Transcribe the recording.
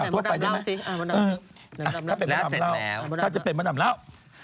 บ๊วยบ๊วยเอาไปกันซิเออจะเป็นพนำแล้ว